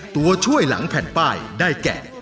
ตัวช่วยหลังแผ่นป้ายได้แก่